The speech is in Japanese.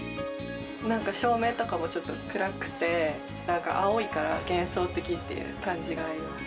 なんか照明とかもちょっと暗くて、なんか青いから幻想的っていう感じがあります。